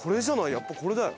やっぱこれだよ！